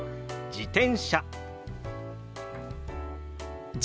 自転車。